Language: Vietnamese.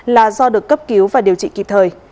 là do được cấp cứu và điều trị kịp thời